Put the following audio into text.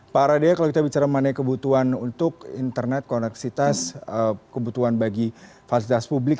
pak aradea kalau kita bicara mengenai kebutuhan untuk internet koneksitas kebutuhan bagi fasilitas publik